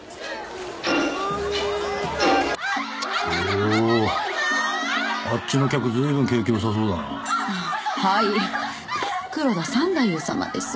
おぉあっちの客ずいぶん景気よさそうだなあっはい黒田三太夫さまです